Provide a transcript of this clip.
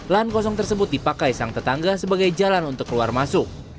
lahan kosong tersebut dipakai sang tetangga sebagai jalan untuk keluar masuk